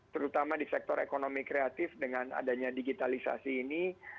terutama di sektor ekonomi kreatif dengan adanya digitalisasi ini